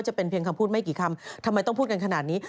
จะเป็นเพียงคำพูดไม่กี่คำทำไมต้องพูดกันขนาดนี้